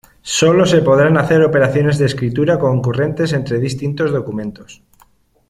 Sólo se podrán hacer operaciones de escritura concurrentes entre distintos documentos.